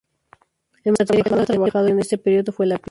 El material más trabajado en este período fue la piedra.